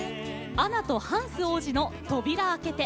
アナとハンス王子の「とびら開けて」。